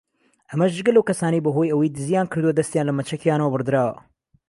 ئەمەش جگە لەو کەسانەی بەهۆی ئەوەی دزییان کردووە دەستیان لە مەچەکیانەوە بڕدراوە